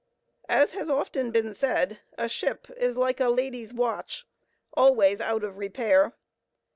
As has often been said, a ship is like a lady's watch, always out of repair.